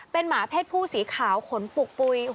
เป็นหมาเพศผู้สีขาวขนปุกปุ๋ย